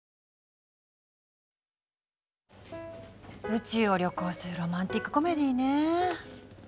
宇宙を旅行するロマンチックコメディーね。